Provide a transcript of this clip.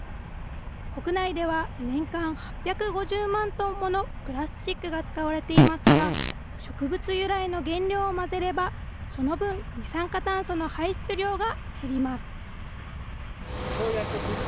国内では年間８５０万トンものプラスチックが使われていますが、植物由来の原料を混ぜれば、その分、二酸化炭素の排出量が減ります。